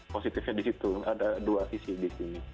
positifnya di situ ada dua sisi di sini